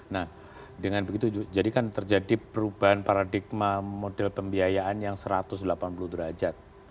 nah dengan begitu jadi kan terjadi perubahan paradigma model pembiayaan yang satu ratus delapan puluh derajat